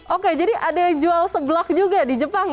oke jadi ada yang jual seblak juga di jepang ya